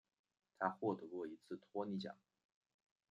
他获得过一次托尼奖。